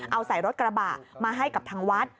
เอาใส่รถกระบะมาให้กับทางวัด